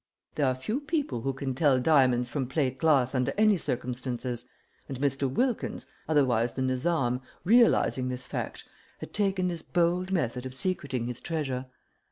There are few people who can tell diamonds from plate glass under any circumstances, and Mr. Wilkins, otherwise the Nizam, realizing this fact, had taken this bold method of secreting his treasure.